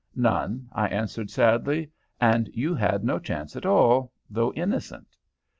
"None," I answered, sadly. "And you had no chance at all, though innocent?"